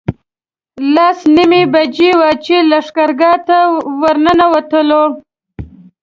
لس نیمې بجې وې چې لښکرګاه ته ورنوتلو.